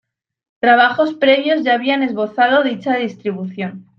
Trabajos previos ya habían esbozado dicha distribución.